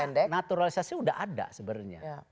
karena naturalisasi udah ada sebenarnya